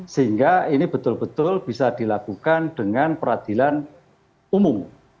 sehingga ini betul betul bisa dilakukan dengan peradilan umum